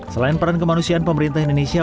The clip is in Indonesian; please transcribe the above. selain peran kemanusiaan pemerintah indonesia